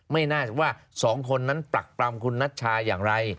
ไม่น่าจะว่าสองคนนั้นปรักปรำคุณนัชชาอย่างไร